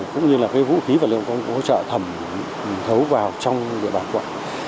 cũng như vũ khí và lượng công cụ hỗ trợ thẩm thấu vào trong địa bàn quận